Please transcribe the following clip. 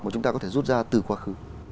mà chúng ta có thể rút ra từ quá khứ